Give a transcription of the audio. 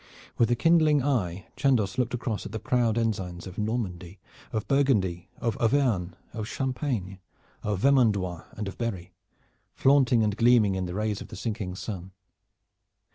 With a kindling eye Chandos looked across at the proud ensigns of Normandy, or Burgundy, of Auvergne, of Champagne, of Vermandois, and of Berry, flaunting and gleaming in the rays of the sinking sun.